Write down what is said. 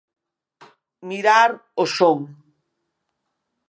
Mirar o son.